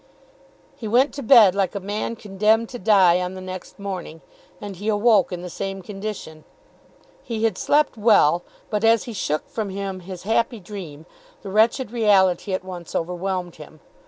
He went to bed like a man condemned to die on the next morning, and he awoke in the same condition. He had slept well, but as he shook from him his happy dream, the wretched reality at once overwhelmed him.